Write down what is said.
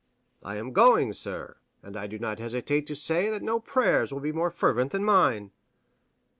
"I am going, sir; and I do not hesitate to say that no prayers will be more fervent than mine."